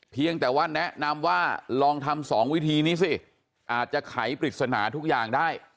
เพียงแต่ว่าแนะนำว่าลองทำ๒วิธีนี้สิอาจจะไขปริศนาทุกอย่างได้